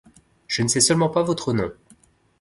Je ne sais seulement pas votre nom.